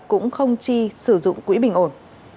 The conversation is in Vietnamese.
cũng không chi sử dụng quỹ bình ổn